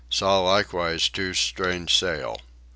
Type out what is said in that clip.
Saw likewise two strange sail.